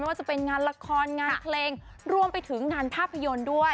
ว่าจะเป็นงานละครงานเพลงรวมไปถึงงานภาพยนตร์ด้วย